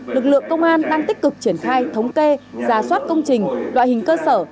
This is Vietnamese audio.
lực lượng công an đang tích cực triển khai thống kê giả soát công trình loại hình cơ sở